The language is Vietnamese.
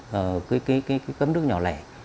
với rất nhiều cái cấm nước nhỏ lẻ